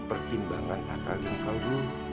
pertimbangan patah dan kaldu